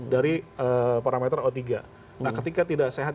dari parameter o tiga nah ketika tidak sehat